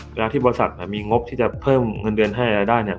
เวลาที่บริษัทมีงบที่จะเพิ่มเงินเดือนให้อะไรได้เนี่ย